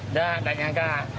udah udah nyangkang